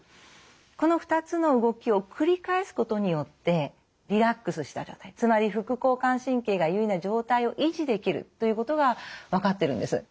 この２つの動きをくり返すことによってリラックスした状態つまり副交感神経が優位な状態を維持できるということが分かってるんです。